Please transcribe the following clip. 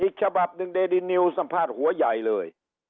อีกฉบับหนึ่งเดดินิวสัมภาษณ์หัวใหญ่เลย